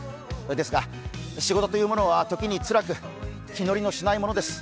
ですが仕事というのは時につらく気乗りのしないものです。